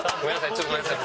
ちょっとごめんなさい。